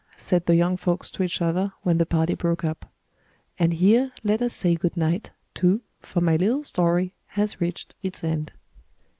said the young folks to each other, when the party broke up. And here let us say good night, too, for my little story has reached its end.